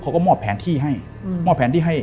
เขาก็มอบแผนที่ให้